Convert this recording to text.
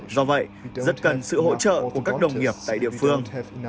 do vậy rất cần sự hỗ trợ của các đồng nghiệp tại địa phương